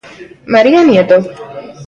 María Nieto.